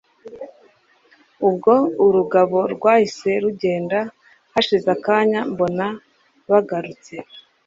ubwo urugabo rwahise rugenda, hashize akanya mbona bagarutse